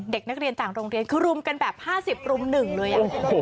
เด็กนักเรียนต่างโรงเรียนคือรุมกันแบบ๕๐รุม๑เลย